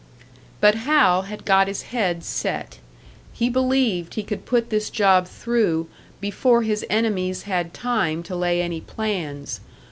But Hal had got his head set; he believed he could put this job through before his enemies had time to lay any plans.